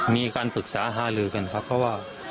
มีการปรึกษาฮาลือกันครับเพราะว่า